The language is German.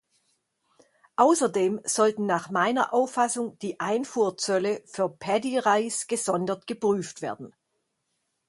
Außerdem sollten nach meiner Auffassung die Einfuhrzölle für Paddy-Reis gesondert geprüft werden.